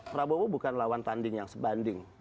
prabowo bukan lawan tanding yang sebanding